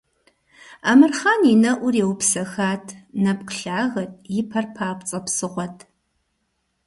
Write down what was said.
Амырхъан и нэӀур еупсэхат, нэпкъ лъагэт, и пэр папцӀэ псыгъуэт.